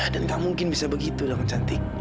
dan gak mungkin bisa begitu dong cantik